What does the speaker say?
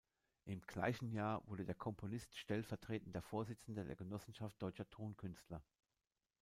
Im gleichen Jahr wurde der Komponist stellvertretender Vorsitzender der Genossenschaft deutscher Tonkünstler.